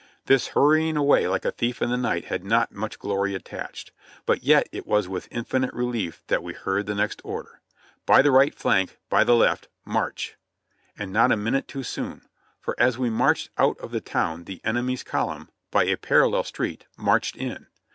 This hurrying away like a thief in the night had not much glory attached, but yet it was with infinite relief that we heard the next order : "By the right flank, by the left, march !" And not a minute too soon, for as we marched out of the town the enemy's column, by a parallel street, marched in.